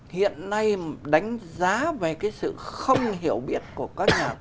hiện nay đánh giá về cái sự không hiểu biết của các nhà